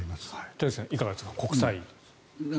田崎さん、いかがですか。